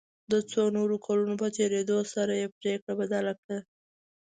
د څو نورو کلونو په تېرېدو سره یې پريکړه بدله کړه.